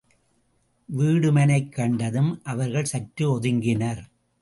வீடுமனைக்கண்டதும் அவர்கள் சற்று ஒதுங்கினர்.